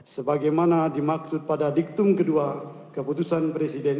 sebagaimana dimaksud pada diktum kedua keputusan presiden